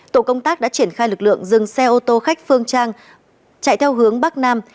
tổ công tác đã triển khai lực lượng dừng xe ô tô khách phương trang chạy theo hướng bắc nam